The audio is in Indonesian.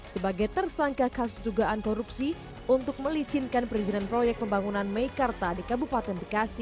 sebagai tersangka kasus dugaan korupsi untuk melicinkan perizinan proyek pembangunan meikarta di kabupaten bekasi